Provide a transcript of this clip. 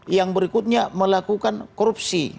yang berikutnya melakukan korupsi